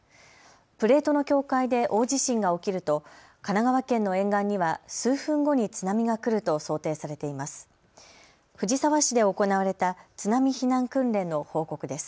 プレートの境界で大地震が起きると神奈川県の沿岸には数分後に津波が来ると想定されています。